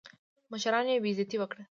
مشرانو یې بېعزتي وکړه.